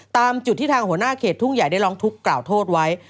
ตามจุดที่ทางหัวหน้าเขตทุ่งใหญ่ได้ร้องทุกข์กล่าวโทษไว้